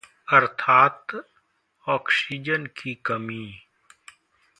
अर्थात्ः oxygen की कमी